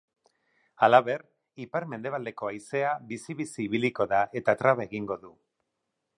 Halaber, ipar-mendebaldeko haizea bizi-bizi ibiliko da eta traba egingo du.